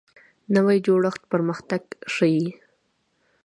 نوی جوړښت پرمختګ ښیي